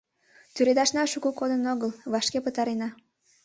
Тӱредашна шуко кодын огыл, вашке пытарена.